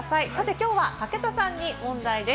きょうは武田さんに問題です。